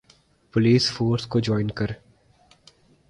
police force کو join کر